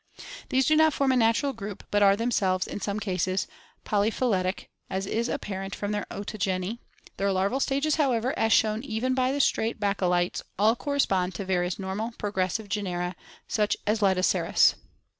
These do not form a natural group, but are themselves in some cases polyphyletic, as is apparent from their ontogeny; their larval stages, however, as shown even by the straight Baculites, all correspond to the various normal progressive genera such as Lytoceras.